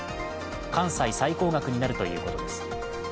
関西最高額になるということです。